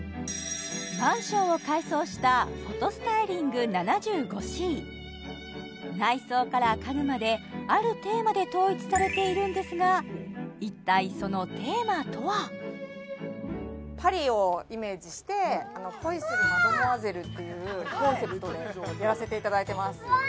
マンションを改装したｐｈｏｔｏｓｔｙｌｉｎｇ７５ｃ内装から家具まであるテーマで統一されているんですがパリをイメージして恋するマドモアゼルというコンセプトでやらせていただいてます